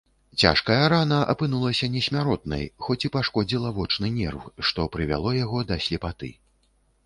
Цяжкая рана апынулася несмяротнай, хоць і пашкодзіла вочны нерв, што прывяло яго да слепаты.